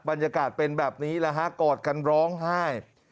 บรรยากาศเป็นแบบนี้แล้วฮะกอดกันร้องไห้